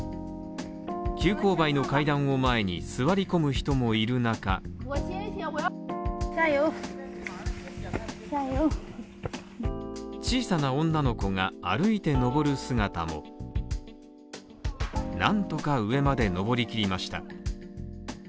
急勾配の階段を前に座り込む人もいる中小さな女の子が歩いて登る姿もなんとか上まで登り切りました。